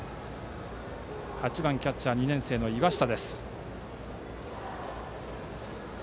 バッターは８番キャッチャー、２年生の岩下。